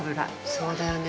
そうだよね。